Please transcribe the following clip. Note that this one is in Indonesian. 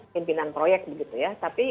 pimpinan proyek begitu ya tapi